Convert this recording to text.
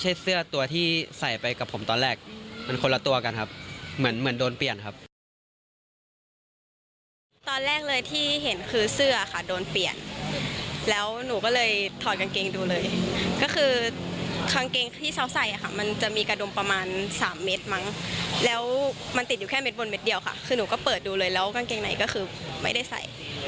อยู่แค่เม็ดบนเม็ดเดียวค่ะคือหนูก็เปิดดูเลยแล้วกางเกงในก็คือไม่ได้ใส่